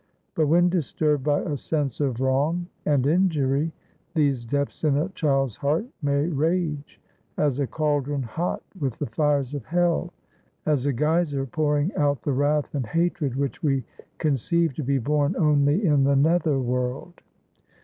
But when disturbed by a sense of wrong and injury, these depths in a child's heart may rage as a caldron hot with the fires of hell; as a geyser pouring out the wrath and hatred which we con ceive to be born only in the nether world.